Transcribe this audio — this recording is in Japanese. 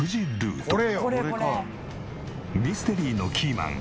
ミステリーのキーマン